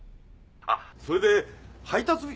あっそれで配達日。